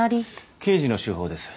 刑事の手法です